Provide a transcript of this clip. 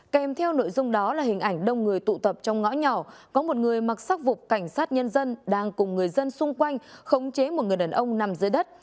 kèm theo nội dung đó là hình ảnh đông người tụ tập trong ngõ nhỏ có một người mặc sắc vụt cảnh sát nhân dân đang cùng người dân xung quanh khống chế một người đàn ông nằm dưới đất